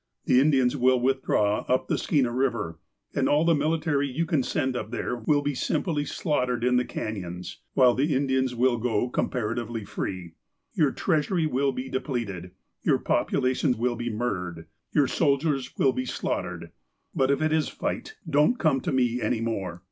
The Indians will withdraw up Skeeua Eiver, and all the military you can send up there will be simply slaughtered in the canyons, while the Indians will go comparatively free. Your treasury will be depleted. Your population will be murdered. Your soldiers will be slaughtered. But if it is 'fight,' don't come to me any more.